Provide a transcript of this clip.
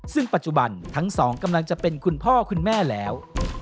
ซึ่งปัจจุบันทั้งสองกำลังจะเป็นคุณพ่อคุณแม่แล้ว